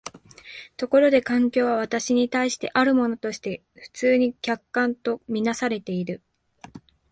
ところで環境は私に対してあるものとして普通に客観と看做されている。